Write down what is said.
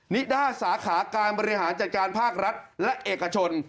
นิด้าสาขาการบริหารจัดการภาครัฐและเอกชน